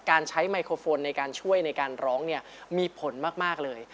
การใช้ไมโครโฟนในการช่วยในการร้องเนี่ยมีผลมากเลย